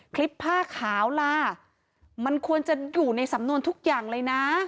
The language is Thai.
ผ้าขาวล่ะมันควรจะอยู่ในสำนวนทุกอย่างเลยนะ